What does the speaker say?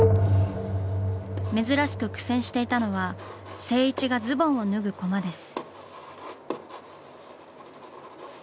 珍しく苦戦していたのは静一がズボンを脱ぐコマです。